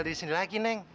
lo kok sedih kayak gitu